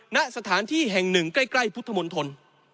ณสถานที่แห่งหนึ่งใกล้พุทธมนตร